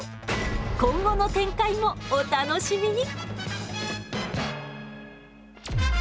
今後の展開もお楽しみに！